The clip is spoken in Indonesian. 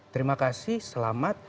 terima kasih selamat